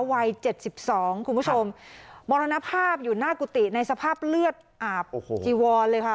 วัยเจ็ดสิบสองคุณผู้ชมมรณภาพอยู่หน้ากุฏิในสภาพเลือดอาบโอ้โหจีวอนเลยค่ะ